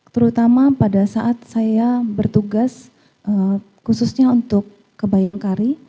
terutama pada saat saya bertugas khususnya untuk ke bayangkari